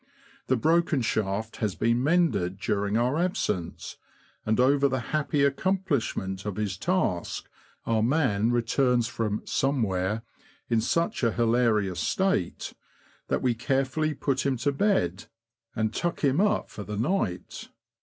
The broken shaft has been mended during our absence, and 192 THE LAND OF THE BROADS. over the happy accomplishment of his task our man returns from " somewhere," in such a hilarious state, that we carefully put him to bed and tuck him up for the night.